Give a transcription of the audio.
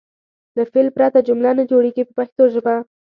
له فعل پرته جمله نه جوړیږي په پښتو ژبه.